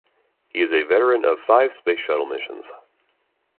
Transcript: He is a veteran of five Space Shuttle missions.